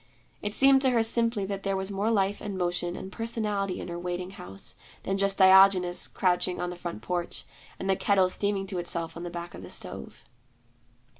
It seemed to her simply that there was more life and motion and personality in her waiting house, than just Diogenes crouching on the front porch, and the kettle steaming to itself on the back of the stove.